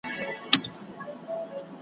نه فریاد یې له ستړیا سو چاته کړلای .